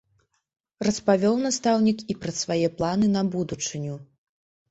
Распавёў настаўнік і пра свае планы на будучыню.